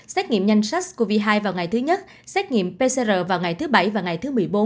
xét nghiệm nhanh sars cov hai vào ngày thứ nhất xét nghiệm pcr vào ngày thứ bảy và ngày thứ một mươi bốn